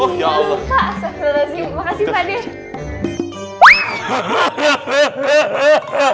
oh ya allah